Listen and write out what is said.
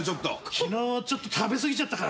昨日ちょっと食べ過ぎちゃったからな。